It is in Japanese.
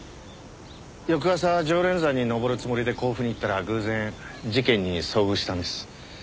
翌朝城蓮山に登るつもりで甲府に行ったら偶然事件に遭遇したんです。